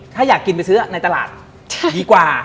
ถ้าอยากกินไปซื้อในตลาดดีกว่า